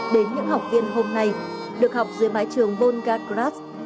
đến những học viên hôm nay được học dưới mái trường volgacras